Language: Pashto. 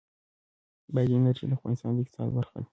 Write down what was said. بادي انرژي د افغانستان د اقتصاد برخه ده.